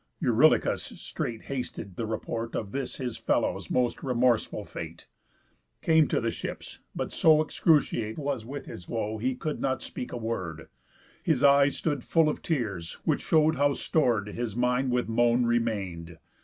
Eurylochus straight hasted the report Of this his fellows' most remorseful fate, Came to the ships, but so excruciate Was with his woe, he could not speak a word, His eyes stood full of tears, which show'd how stor'd His mind with moan remain'd.